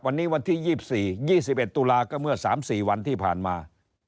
วันนี้วันที่ยี่สิบสี่ยี่สิบเอ็ดตุลาก็เมื่อสามสี่วันที่ผ่านมา